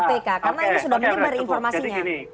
karena ini sudah menyebar informasinya